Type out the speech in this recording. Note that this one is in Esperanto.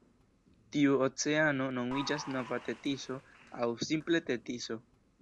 Tiu oceano nomiĝas Nova Tetiso aŭ simple Tetiso.